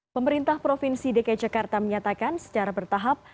pemerintah provinsi dki jakarta menyatakan secara bertahap